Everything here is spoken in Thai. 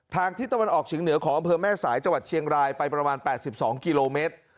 ทิศตะวันออกเฉียงเหนือของอำเภอแม่สายจังหวัดเชียงรายไปประมาณ๘๒กิโลเมตร